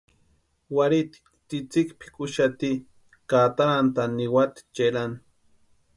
Warhiti tsïtsïki pʼikuxati ka atarantʼani niwati Cherani.